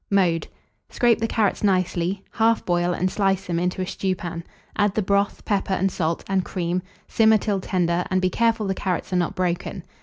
Mode. Scrape the carrots nicely; half boil, and slice them into a stewpan; add the broth, pepper and salt, and cream; simmer till tender, and be careful the carrots are not broken.